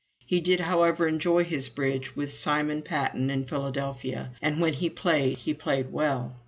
He did, however, enjoy his bridge with Simon Patton in Philadelphia; and when he played, he played well.